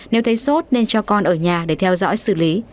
nếu thấy sốt nên cho con ở nhà để theo dõi xử lý